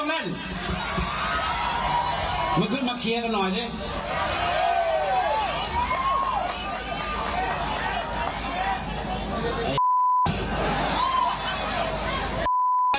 มันขึ้นมาเคียงกันหน่อยนิ